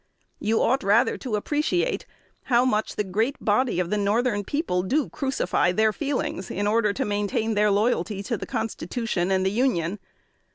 You ought rather to appreciate how much the great body of the Northern people do crucify their feelings, in order to maintain their loyalty to the Constitution and the Union.